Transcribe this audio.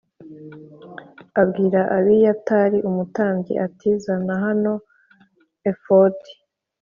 abwira Abiyatari umutambyi ati “Zana hano efodi.”